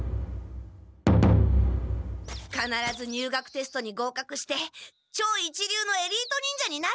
かならず入学テストにごうかくして超一流のエリート忍者になるんだ！